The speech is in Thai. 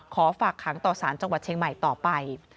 ฝากขังต่อสารจังหวัดเชียงใหม่ต่อไป